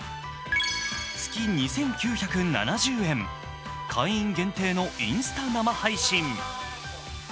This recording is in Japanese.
月２９７０円、会員限定のインスタ生配信。